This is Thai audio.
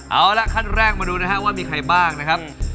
เอาล่ะขั้นแรกมาดูนะครับว่ามีใครบ้างนะครับ